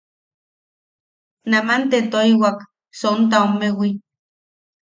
Naman te toiwak sontaomewi.